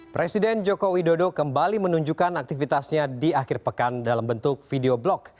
presiden joko widodo kembali menunjukkan aktivitasnya di akhir pekan dalam bentuk video blog